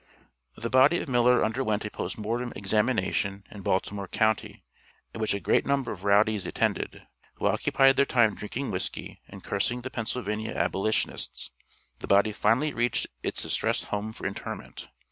The body of Miller underwent a post mortem examination in Baltimore county, at which a great number of rowdies attended, who occupied their time drinking whisky and cursing the Pennsylvania Abolitionists; the body finally reached its distressed home for interment.